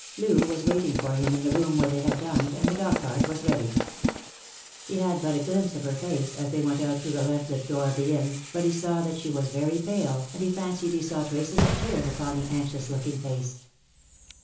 Loo was waiting for him in the room where they had dined, and the dog cart was ready. He had but a glimpse of her face as they went out through the lamplit door of the inn, but he saw that she was very pale, and he fancied he saw traces of teara upon the anxious looking face. 110 Lost for Love.